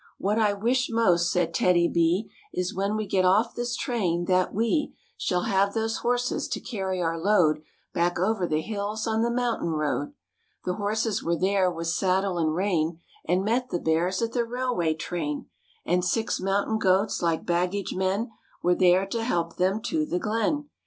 Igfflk "What I wish most," said TEDDY B, " Is when we get off this train that Shall have those horses to carry our load Back over the hills on the mountain road." The horses were there with saddle and rein And met the Bears at the railway train, And six mountain goats like baggage men Were there to help them to the glen.